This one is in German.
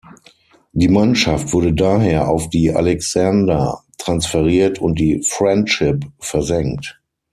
Die Mannschaft wurde daher auf die "Alexander" transferiert und die "Friendship" versenkt.